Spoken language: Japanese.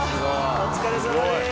お疲れさまです。